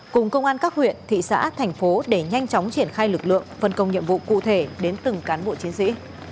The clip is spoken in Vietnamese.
cùng công an các huyện thị xã thành phố để nhanh chóng triển khai lực lượng phân công nhiệm vụ cụ thể đến từng cán bộ chiến sĩ